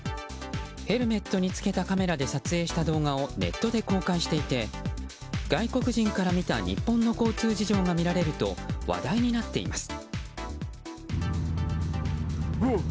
ヘルメットに着けたカメラで撮影した動画をネットで公開していて外国人から見た日本の交通事情が見られると話題になっています。